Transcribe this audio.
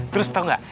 terus tau gak